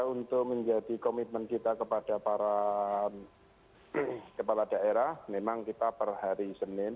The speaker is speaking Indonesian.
untuk menjadi komitmen kita kepada para kepala daerah memang kita per hari senin